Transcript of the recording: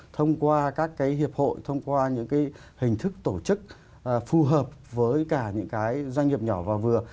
thông qua các cái hiệp hội thông qua những hình thức tổ chức phù hợp với cả những cái doanh nghiệp nhỏ và vừa